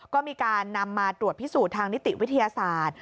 ก็มีการนำมาตรวจพิสูจน์ทางนิติวิทยาศาสตร์